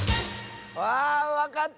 あわかった！